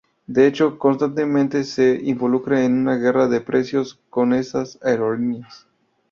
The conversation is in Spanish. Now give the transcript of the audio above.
De hecho, constantemente se ve involucrada en una guerra de precios con estas aerolíneas.